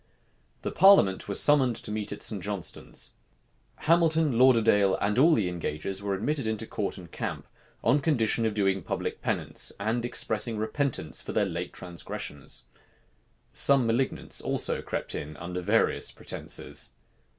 The parliament was summoned to meet at St. Johnstone's. Hamilton, Lauderdale, and all the engagers were admitted into court and camp, on condition of doing public penance, and expressing repentance for their late transgressions. Some malignants also crept in under various pretences.